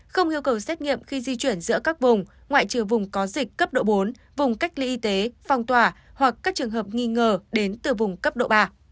không yêu cầu xét nghiệm khi di chuyển giữa các vùng ngoại trừ vùng có dịch cấp độ bốn vùng cách ly y tế phong tỏa hoặc các trường hợp nghi ngờ đến từ vùng cấp độ ba